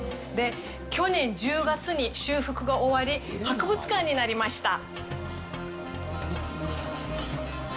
去年１０月に修復が終わり博物館になりました。